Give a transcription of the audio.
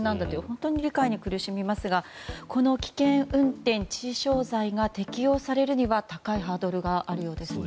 本当に理解に苦しみますがこの危険運転致死傷罪が適用されるには高いハードルがあるようですね。